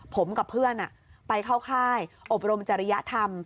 ผมกับเพื่อนไปเข้าค่ายอบรมจริยธรรม